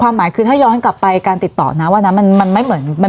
แล้วคนอื่นพอบอกได้ไหมคะรายละเอียด